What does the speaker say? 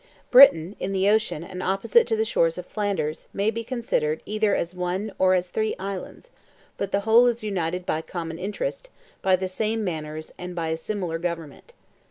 Britain, in the ocean, and opposite to the shores of Flanders, may be considered either as one, or as three islands; but the whole is united by a common interest, by the same manners, and by a similar government.